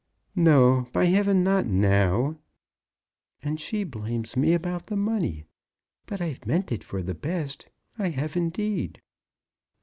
"No, by heaven; not now." "And she blames me about the money; but I've meant it for the best; I have indeed."